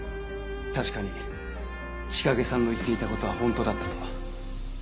確かに千景さんの言っていたことはホントだったと。